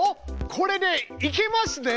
これでいけますね。